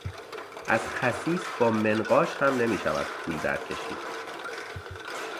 از خسیس با منقاش هم نمیشود پول در کشید.